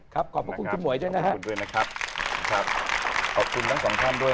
ขอบคุณคุณหมวยด้วย